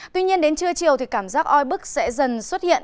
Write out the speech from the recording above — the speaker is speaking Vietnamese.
tuy nhiên đến trưa chiều thì cảm giác oi bức sẽ dần xuất hiện